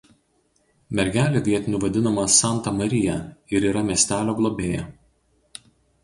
Mergelė vietinių vadinama "Santa Marija" ir yra miestelio globėja.